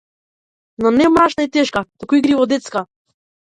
Но не мрачна и тешка, туку игриво детска.